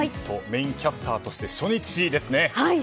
メインキャスターとして初日ですね。